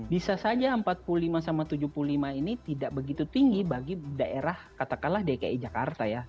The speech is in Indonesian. bisa saja empat puluh lima tujuh puluh lima ini tidak begitu tinggi bagi daerah katakanlah dki jakarta ya